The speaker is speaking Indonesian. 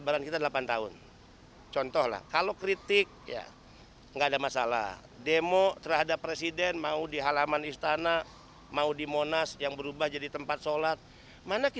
bapak kasat intelkam pores metro bekasi